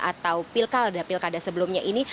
atau pilkada pilkada sebelumnya ini